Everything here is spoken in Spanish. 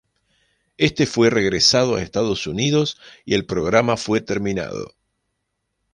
Este fue regresado a Estados Unidos y el programa fue terminado.